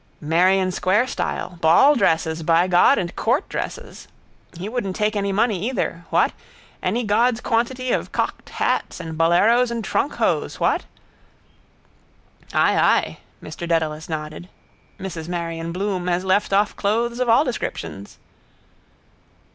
—Merrion square style. Balldresses, by God, and court dresses. He wouldn't take any money either. What? Any God's quantity of cocked hats and boleros and trunkhose. What? —Ay, ay, Mr Dedalus nodded. Mrs Marion Bloom has left off clothes of all descriptions.